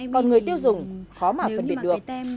còn người tiêu dùng khó mà phân biệt được